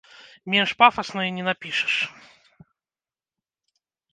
Менш пафасна і не напішаш.